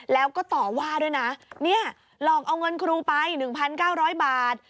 แล้วก็ต่อว่าด้วยนะเนี่ยหลอกเอาเงินครูไป๑๙๐๐บาท